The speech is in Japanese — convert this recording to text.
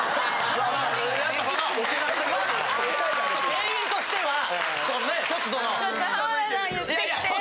店員としてはちょっとその。